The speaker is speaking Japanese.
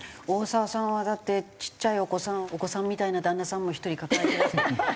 大沢さんはだってちっちゃいお子さんお子さんみたいな旦那さんも１人抱えていらして。